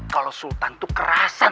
kalau sultan tuh kerasan